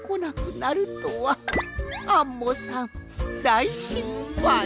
アンモさんだいしっぱい。